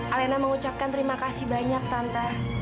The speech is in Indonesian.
alena mengucapkan terima kasih banyak tante